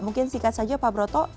mungkin singkat saja pak broto